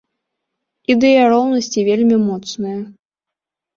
Ідэя роўнасці вельмі моцная.